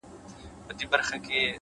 هره ورځ د فرصتونو خزانه ده؛